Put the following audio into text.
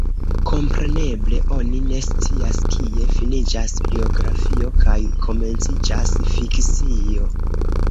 Kompreneble oni ne scias, kie finiĝas biografio kaj komenciĝas fikcio.